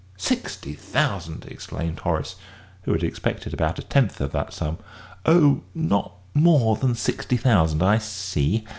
"Sixty thousand!" exclaimed Horace, who had expected about a tenth of that sum. "Oh, not more than sixty thousand? I see."